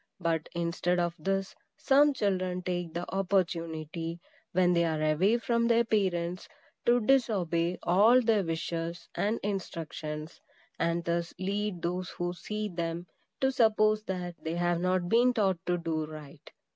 But instead of this, some children take the opportunity, when they are away from their parents, to disobey all their wishes and instructions, and thus lead those who see them to suppose that they have not been taught to do right.